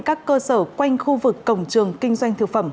các cơ sở quanh khu vực cổng trường kinh doanh thực phẩm